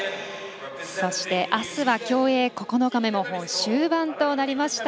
あすは競泳９日目の終盤となりました。